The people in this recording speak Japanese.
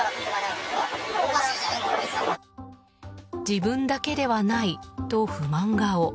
自分だけではないと不満顔。